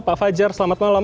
pak fajar selamat malam